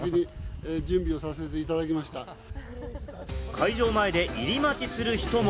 会場前で入り待ちする人も。